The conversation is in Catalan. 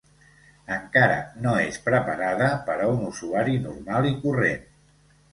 Encara no és preparada per a un usuari normal i corrent.